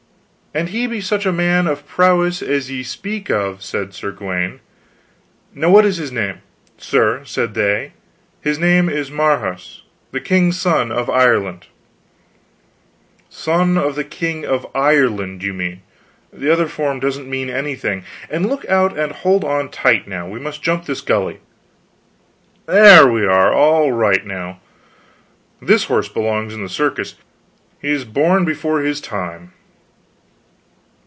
" and he be such a man of prowess as ye speak of, said Sir Gawaine. Now, what is his name? Sir, said they, his name is Marhaus the king's son of Ireland." "Son of the king of Ireland, you mean; the other form doesn't mean anything. And look out and hold on tight, now, we must jump this gully.... There, we are all right now. This horse belongs in the circus; he is born before his time."